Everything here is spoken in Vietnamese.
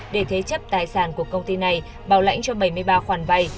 để thế chấp tài sản của công ty này bảo lãnh cho bảy mươi ba khoản vay